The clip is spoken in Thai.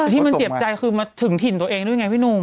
ที่มันเจ็บใจคือมาถึงถิ่นตัวเองด้วยไงพี่หนุ่ม